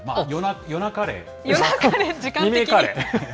夜なカレー。